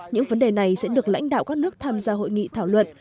những vấn đề này sẽ được lãnh đạo các nước tham gia hội nghị thảo luận